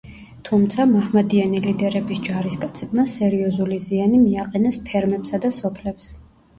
თუმცა, მაჰმადიანი ლიდერების ჯარისკაცებმა სერიოზული ზიანი მიაყენეს ფერმებსა და სოფლებს.